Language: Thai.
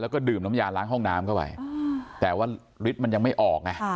แล้วก็ดื่มน้ำยาล้างห้องน้ำเข้าไปแต่ว่าฤทธิ์มันยังไม่ออกไง